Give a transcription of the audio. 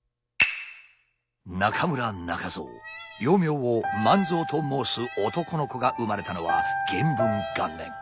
中村仲蔵幼名を万蔵と申す男の子が生まれたのは元文元年。